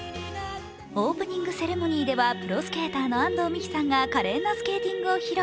オープニングセレモニーではプロスケーターの安藤美姫さんが華麗なスケーティングを披露。